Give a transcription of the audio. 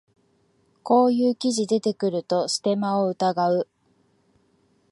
こういう記事出てくるとステマを疑う